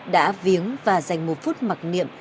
đã viếng và dành một phút mặc niệm